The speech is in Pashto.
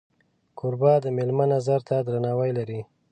کوربه د میلمه نظر ته درناوی لري.